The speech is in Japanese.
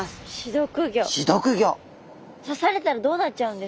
刺されたらどうなっちゃうんですか？